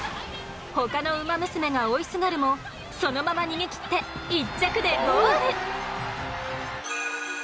他のウマ娘が追いすがるもそのまま逃げ切って１着でゴール。